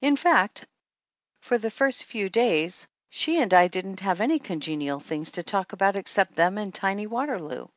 In fact, for the first few days she and I didn't have any congenial things to talk about except them and tiny Waterloo.